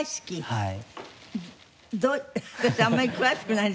はい。